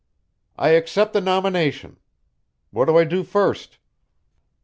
"I accept the nomination. What do I do first?"